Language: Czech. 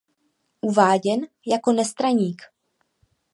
Uváděn jako nestraník.